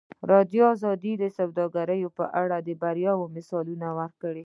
ازادي راډیو د سوداګري په اړه د بریاوو مثالونه ورکړي.